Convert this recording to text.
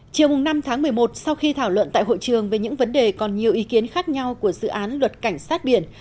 chiều năm tháng một mươi một sau khi thảo luận tại hội trường về những vấn đề còn nhiều ý kiến khác nhau của dự án luật cảnh sát biển